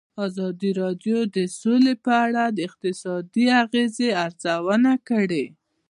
ازادي راډیو د سوله په اړه د اقتصادي اغېزو ارزونه کړې.